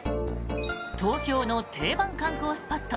東京の定番観光スポット